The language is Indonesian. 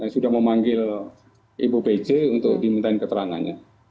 sudah memanggil ibu pc untuk dimintain keterangannya